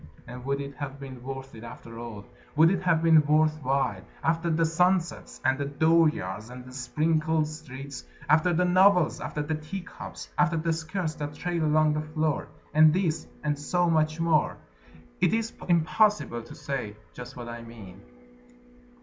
And would it have been worth it, after all, Would it have been worth while, After the sunsets and the dooryards and the sprinkled streets, After the novels, after the teacups, after the skirts that trail along the floor And this, and so much more? It is impossible to say just what I mean!